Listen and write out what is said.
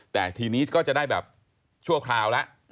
แต่ทีนี้ก็จะได้แบบชั่วคราวแล้ว